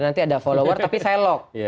nanti ada follower tapi saya lock